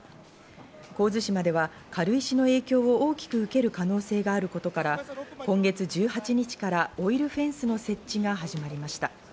神津島では軽石の影響を大きく受ける可能性があることから今月１８日からオイルフェンスの設置が始まりました。